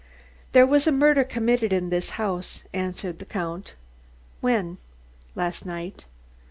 "There was a murder committed in this house," answered the Count. "When?" "Last night."